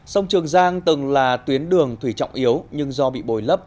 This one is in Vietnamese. sông trường giang từng là tuyến đường thủy trọng yếu nhưng do bị bồi lấp